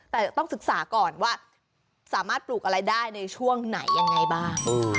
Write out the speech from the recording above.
แต่ต้องศึกษาก่อนว่าสามารถปลูกอะไรได้ในช่วงไหนยังไงบ้าง